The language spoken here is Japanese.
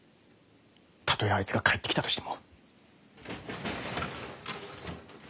たとえあいつが帰ってきたとしても。